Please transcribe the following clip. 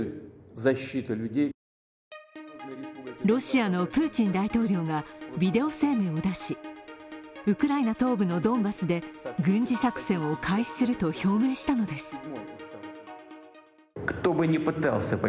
ロシアのプーチン大統領がビデオ声明を出しウクライナ東部のドンバスで軍事作戦を開始すると表明したのです。